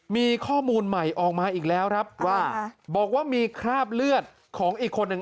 มีข้อมูลใหม่ออกมาอีกแล้วครับว่าบอกว่ามีคราบเลือดของอีกคนหนึ่ง